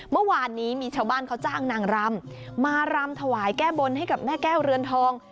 เมื่อวานนี้มีชาวบ้านเขาจ้างนางรำมารำถวายแก้บนให้กับแม่แก้วเรือนทอง